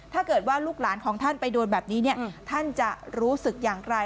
ถ้าเกิดว่าลูกหลานของท่านไปโดนแบบนี้ท่านจะรู้สึกอย่างไร